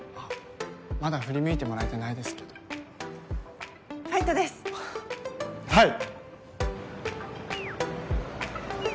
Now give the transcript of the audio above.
まだ振り向いてもらえてないですけどファイトですはい！